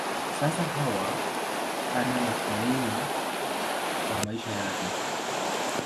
Sasa Hawa ana matumaini kwa maisha yake.